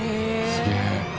すげえ。